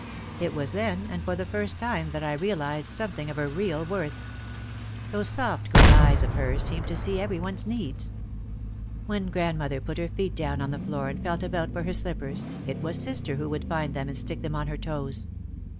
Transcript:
It was then and for the first time that I realised something of her real worth. Those soft grey eyes of hers seemed to see every one's needs. When grandmother put her feet down on the floor and felt about for her slippers, it was sister who would find them and stick them on her toes.